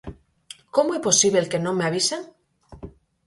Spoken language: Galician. Como é posíbel que non me avisen?